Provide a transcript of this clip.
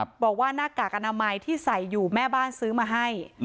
บอกว่าหน้ากากอนามัยที่ใส่อยู่แม่บ้านซื้อมาให้